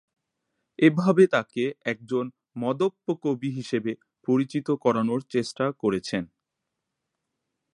এভাবে তাকে একজন মদ্যপ কবি হিসেবে পরিচিত করানোর চেষ্টা করেছেন।